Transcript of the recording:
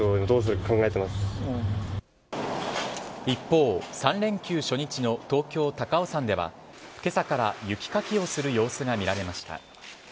一方、３連休初日の東京・高尾山では今朝から雪かきをする様子が見られました。